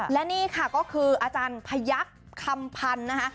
และนี่ค่ะก็คืออาจารย์พยักษ์คำพันธ์นะคะ